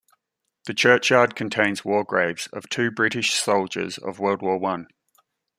The churchyard contains war graves of two British soldiers of World War One.